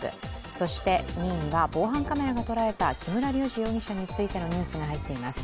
そして２位には防犯カメラが捉えた木村龍治容疑者についてのニュースが入っています。